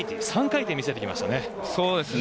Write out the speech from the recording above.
３回転を見せてきましたね。